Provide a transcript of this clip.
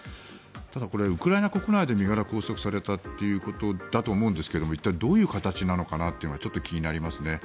ただ、これはウクライナ国内で身柄を拘束されたということだと思うんですが一体、どういう形なのかなって気になりますね。